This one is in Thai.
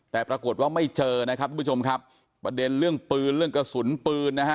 แต่ปรากฏว่าไม่เจอนะครับทุกผู้ชมครับประเด็นเรื่องปืนเรื่องกระสุนปืนนะฮะ